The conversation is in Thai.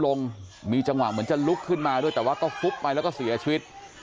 ลงมีจังหวะเหมือนจะลุกขึ้นมาด้วยแต่ว่าก็ฟุบไปแล้วก็เสียชีวิต